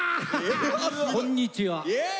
こんにちは。